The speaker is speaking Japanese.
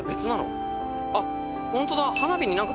あっホントだ。